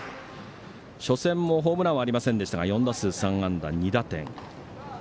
初戦もホームランはありませんでしたが４打数３安打、２打点。